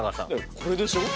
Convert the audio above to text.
これでしょ？